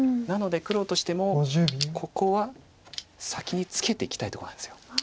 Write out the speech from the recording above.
なので黒としてもここは先にツケていきたいとこなんです。